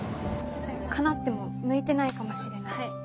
かなっても向いてないかもしれない。